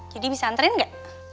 jadi bisa anterin ga